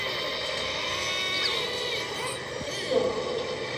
台湾光姬蝽为姬蝽科光姬蝽属下的一个种。